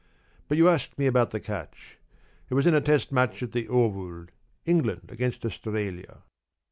But you asked me about the catch. It was in a test match at the Oval England against Australia.